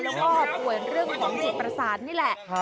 แล้วก็ป่วยเรื่องของจิตประสาทนี่แหละ